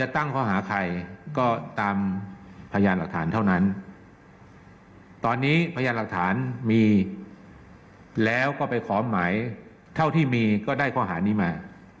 ตอนนี้พญานหลักฐานมีแล้วก็ไปขอมหมายเท่าที่มีก็ได้ข้อหานี้มา